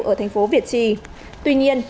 ở thành phố việt trì tuy nhiên